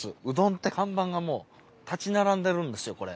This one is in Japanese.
うどんって看板がもう立ち並んでるんですよ